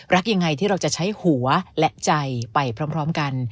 รักอย่างไรที่เราจะใช้หัวและใจไปพร้อมพร้อมกัน